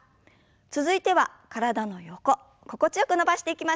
続いては体の横心地よく伸ばしていきましょう。